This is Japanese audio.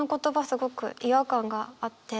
すごく違和感があって。